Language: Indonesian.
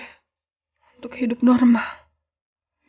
untuk hidup normal